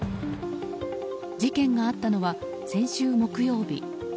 事件があったのは先週木曜日。